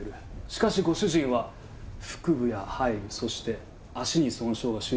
しかしご主人は腹部や背部そして足に損傷が集中していた。